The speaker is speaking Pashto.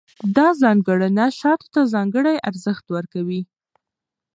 دا ځانګړنه شاتو ته ځانګړی ارزښت ورکوي.